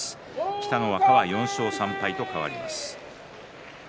北の若は４勝３敗と変わります。